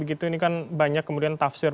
ini kan banyak kemudian tafsir